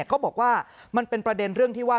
เขาบอกว่ามันเป็นประเด็นเรื่องที่ว่า